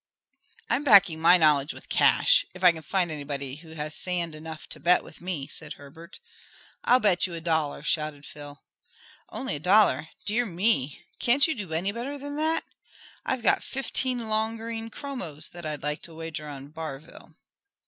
"I'm backing my knowledge with cash, if I can find anybody who has sand enough to bet with me," said Herbert. "I'll bet you a dollar," shouted Phil. "Only a dollar? Dear me! Can't you do any better than that? I've got fifteen long green chromos that I'd like to wager on Barville."